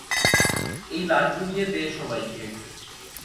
এই লাড্ডু নিয়ে দিয়ে দে সবাইকে।